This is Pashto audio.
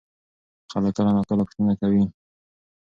خلک کله ناکله پوښتنه کوي.